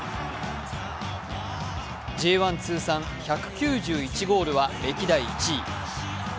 Ｊ１通算１９１ゴールは歴代トップ。